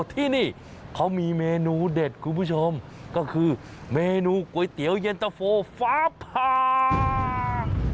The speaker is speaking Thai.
ที่นี่เขามีเมนูเด็ดคุณผู้ชมก็คือเมนูก๋วยเตี๋ยวเย็นตะโฟฟ้าผ่า